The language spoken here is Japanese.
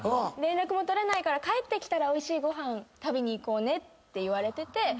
連絡も取れないから帰ってきたらおいしいご飯食べに行こうって言われてて。